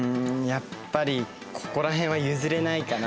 やっぱりここら辺は譲れないかな。